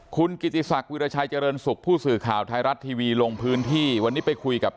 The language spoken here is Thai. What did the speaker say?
คุณกิติศักดิราชัยเจริญสุขผู้สื่อข่าวไทยรัฐทีวีลงพื้นที่วันนี้ไปคุยกับ